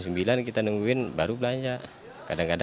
serta apresi lalu lima tahun besi kepada istrinya